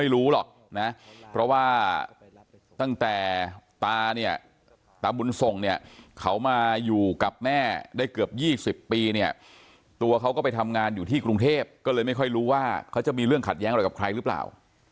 ได้เกือบ๒๐ปีเนี่ยตัวเขาก็ไปทำงานอยู่ที่กรุงเทพก็เลยไม่ค่อยรู้ว่าเขาจะมีเรื่องขัดแย้งอะไรกับใครหรือเปล่า